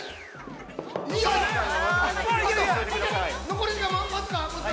◆残り時間は僅か？